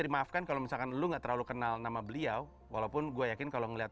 dimaafkan kalau misalkan lu nggak terlalu kenal nama beliau walaupun gue yakin kalau ngeliat